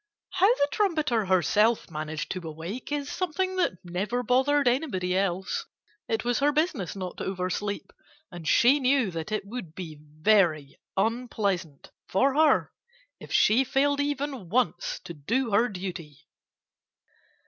How the trumpeter herself managed to awake is something that never bothered anybody else. It was her business not to oversleep. And she knew that it would be very unpleasant for her if she failed even once to do her duty.